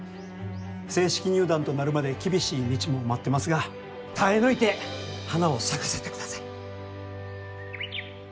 正式入団となるまで厳しい道も待ってますが耐え抜いて花を咲かせてください。